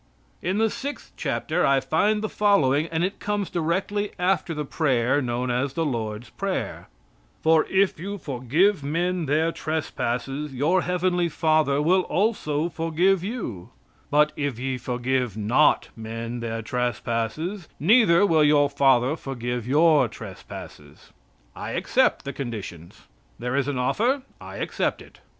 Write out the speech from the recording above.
In the sixth chapter I find the following, and it comes directly after the prayer known as the Lord's prayer: "For if you forgive men their trespasses your Heavenly Father will also forgive you; but if ye forgive not men their trespasses neither will your Father forgive your trespasses." I accept the conditions. There is an offer; I accept it.